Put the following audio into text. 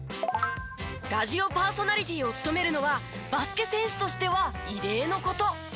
ラジオパーソナリティーを務めるのはバスケ選手としては異例の事。